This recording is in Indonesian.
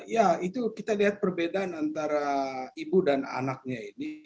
ya itu kita lihat perbedaan antara ibu dan anaknya ini